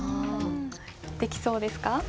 できそうですか？